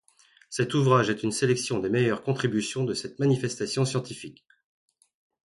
Cet ouvrage est une sélection des meilleures contributions de cette manifestation scientifique.